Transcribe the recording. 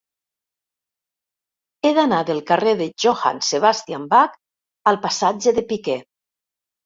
He d'anar del carrer de Johann Sebastian Bach al passatge de Piquer.